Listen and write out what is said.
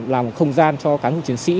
làm một không gian cho cán bộ chiến sĩ